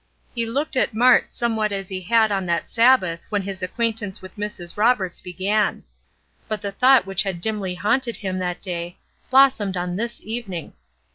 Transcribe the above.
He looked at Mart somewhat as he had on that Sabbath when his acquaintance with Mrs. Roberts began. But the thought which had dimly haunted him that day blossomed on this evening.